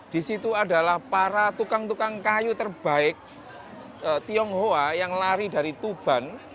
di situ adalah para tukang tukang kayu terbaik tionghoa yang lari dari tuban